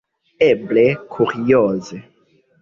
Eble kurioze!